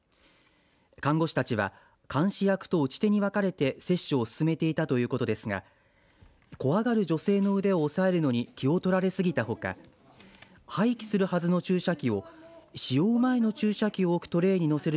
看護師たちは、監視役と打ち手に分かれて接種を進めていたということですが怖がる女性の腕を押さえるのに気を取られすぎたほか廃棄するはずの注射器を使用前の注射器を置くトレーにのせる